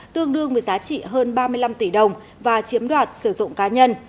tương đương với giá trị hơn ba mươi năm tỷ đồng và chiếm đoạt sử dụng cá nhân